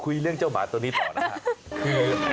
เรื่องเจ้าหมาตัวนี้ต่อนะครับ